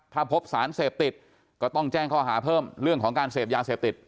ถ้าพบสารเสพติดก็ต้องแจ้งข้อหาเพิ่มเรื่องของการเสพยาเสพติด